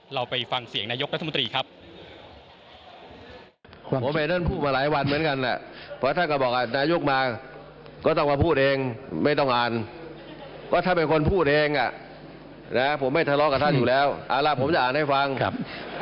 เราไปฟังเสียงนายกรัฐมนตรีครับ